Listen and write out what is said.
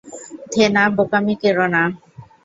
থেনা, বোকামি কোরো না।